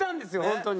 本当に。